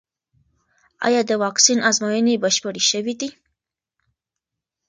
ایا د واکسین ازموینې بشپړې شوې دي؟